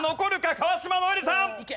川島如恵留さん！